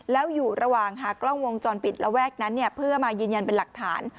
แล้วอยู่ระหว่างหากล้องวงจรปิดระแวกนั้นเพื่อมายืนยันเป็นหลักฐาน